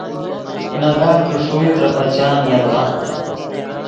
ناگاہ کہ ݰوئے ترے پچان یدغا